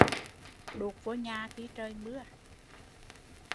Đụt vô nhà khi trời mưa